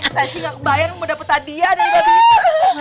saya sih ga kebayang mau dapet hadiah dari babi itu